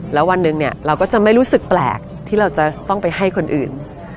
แล้ววันหนึ่งเนี่ยเราก็จะไม่รู้สึกแปลกที่เราจะต้องไปให้คนอื่น